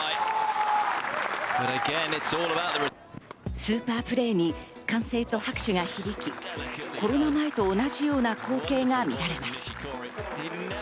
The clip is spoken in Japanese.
スーパープレーに歓声と拍手が響き、コロナ前と同じような光景が見られます。